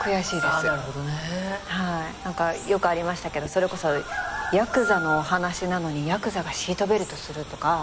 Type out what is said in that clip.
あなるほどね。何かよくありましたけどそれこそヤクザのお話なのにヤクザがシートベルトするとか。